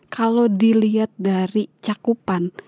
kalau dilihat dari cakupan